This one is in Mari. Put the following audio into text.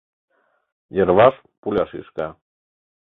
Йырваш пуля шӱшка.